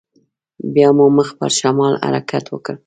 بيا مو مخ پر شمال حرکت وکړ.